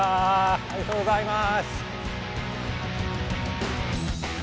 ありがとうございます。